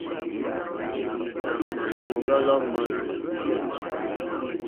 Lírzòŋɡá lá ŋwánà.